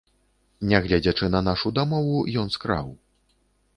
Нягледзячы на нашу дамову, ён скраў.